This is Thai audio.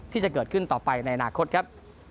ที่จะเกิดขึ้นต่อไปในอนาคตครับ